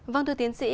vâng thưa tiến sĩ